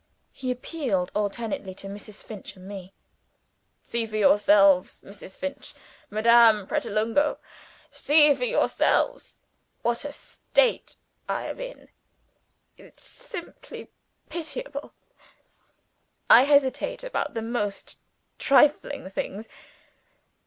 He appealed alternately to Mrs. Finch and to me. "See for yourselves Mrs. Finch! Madame Pratolungo! see for yourselves what a state I am in. It's simply pitiable. I hesitate about the most trifling things.